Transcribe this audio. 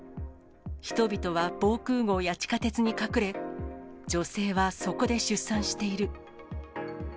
人々は防空ごうや地下鉄に隠れ、女性はそこで出産している。